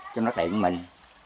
cho nó tiện của mình